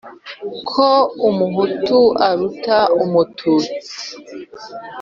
ko umuhutu aruta umututsi